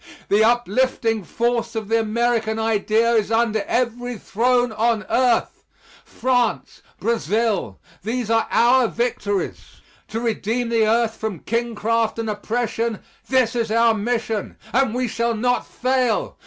The uplifting force of the American idea is under every throne on earth. France, Brazil these are our victories. To redeem the earth from kingcraft and oppression this is our mission! And we shall not fail.